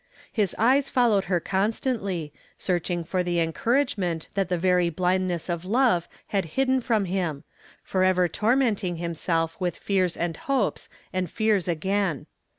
His eyes followed her constantly, searching for the encouragement that the very blindness of love had hidden from him, forever tormenting himself with fears and hopes and fears again.